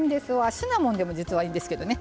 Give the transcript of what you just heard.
シナモンでも実はいいんですけどね。